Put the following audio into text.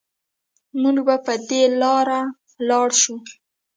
مونږ به په دې لارې لاړ شو